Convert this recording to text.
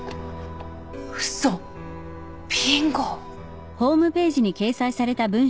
嘘ビンゴ。